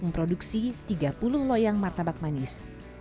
memproduksi tiga puluh loyang martabak manis